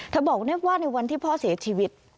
เธอบอกเนี่ยว่าในวันที่พ่อเสียชีวิต